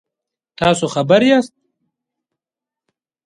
تاسو خبر یاست؟